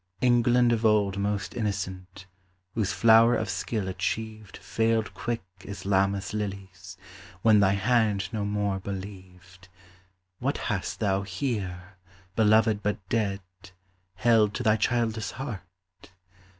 England of old most innocent, whose flower of skill achieved Failed quick as Lammas lilies, when thy hand no more believed, What hast thou here, beloved but dead, held to thy childless heart?